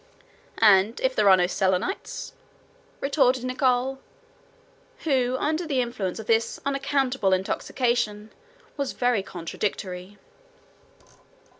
"And if there are no Selenites?" retorted Nicholl, who, under the influence of this unaccountable intoxication, was very contradictory.